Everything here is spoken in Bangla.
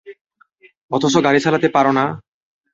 অথচ গাড়ি চালাতে পারো না!